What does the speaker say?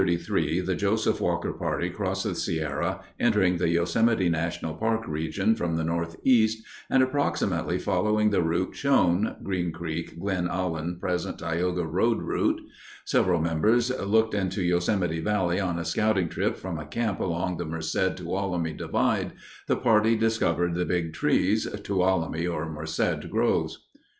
] EXPLANATION OF SKETCH MAP OF YOSEMITE REGION DISCOVERY In 1833 the Joseph Walker party crossed the Sierra, entering the Yosemite National Park region from the northeast and approximately following the route shown (Green Creek Glen Aulin present Tioga Road route). Several members looked into Yosemite Valley on a scouting trip from a camp along the Merced Tuolumne divide. The party discovered the Big Trees (Tuolumne or Merced groves).